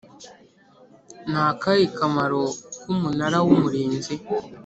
Nakahe kamaro k’umunara w’umurinzi